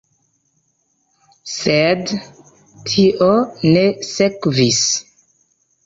Sed tio ne sekvis.